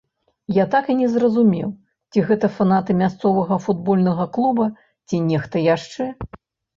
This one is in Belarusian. Я так і не зразумеў, ці гэта фанаты мясцовага футбольнага клуба, ці нехта яшчэ.